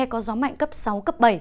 có gió mạnh cấp sáu cấp bảy